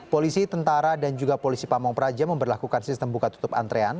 polisi tentara dan juga polisi pamung praja memperlakukan sistem buka tutup antrean